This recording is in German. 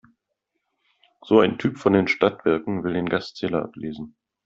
So ein Typ von den Stadtwerken will den Gaszähler ablesen.